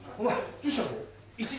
どうしたの？